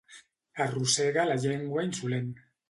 Arrossega la llengua insolent.